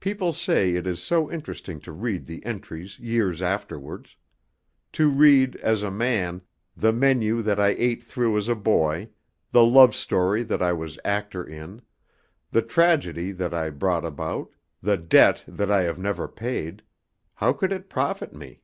People say it is so interesting to read the entries years afterwards. To read, as a man, the menu that I ate through as a boy, the love story that I was actor in, the tragedy that I brought about, the debt that I have never paid how could it profit me?